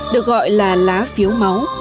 được gọi là lá phiếu máu